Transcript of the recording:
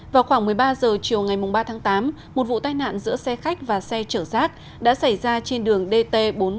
vào khoảng một mươi ba h chiều ngày ba tháng tám một vụ tai nạn giữa xe khách và xe chở rác đã xảy ra trên đường dt bốn trăm tám mươi